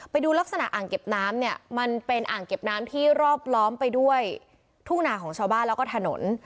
ไปดูลักษณะอ่างเก็บน้ำเนี่ยมันเป็นอ่างเก็บน้ำที่รอบล้อมไปด้วยทุ่งนาของชาวบ้านแล้วก็ถนน